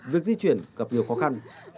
việc di chuyển gặp nhiều khó khăn